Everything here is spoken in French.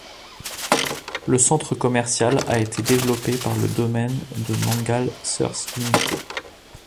Le centre commercial a été développée par le domaine de Mangal Thirth limité.